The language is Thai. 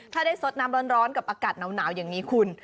ถ้าได้สดน้ำร้อนกับอากาศหนาวอย่างนี้คุณ